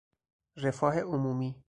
رفاه عمومی